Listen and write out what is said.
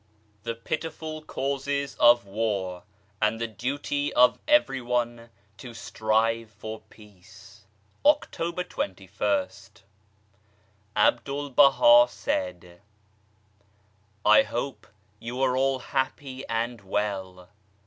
THE PITIFUL CAUSES OF WAR, AND THE DUTY OF EVERYONE TO STRIVE FOR PEACE October 2 1st. A BDUL BAHA said :^^ I hope you are all happy and well.